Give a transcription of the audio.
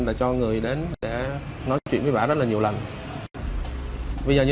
để không bỏ lỡ những video hấp dẫn